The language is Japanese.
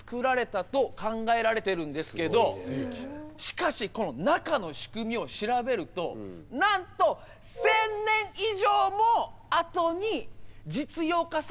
しかしこの中の仕組みを調べるとなんと１０００年以上もあとに実用化されるテクノロジーが使われていたんですよ！